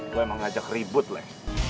gue emang ngajak ribut lah